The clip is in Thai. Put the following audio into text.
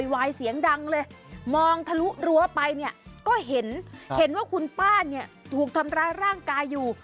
โหยังดังเลยมองถลัวไปก็เห็นคุณป้านถูกทำร้ายร่างกายอยู่